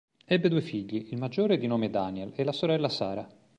Ebbe due figli, il maggiore di nome Daniel e la sorella Sara.